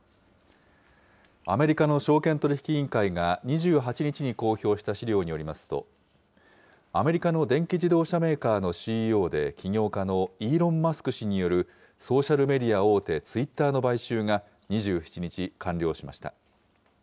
アメリカの証券取引委員会が２８日に公表した資料によりますと、アメリカの電気自動車メーカーのＣＥＯで起業家のイーロン・マスク氏によるソーシャルメディア大手、ツイッターの買収が２７日、完了しました。